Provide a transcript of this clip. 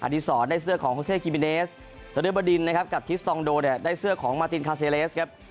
อดีศรได้เสื้อของฮูเซคิมิเนสโดดินนะครับกับทิสตองโดได้เสื้อของมาตินคาเซเลสครับ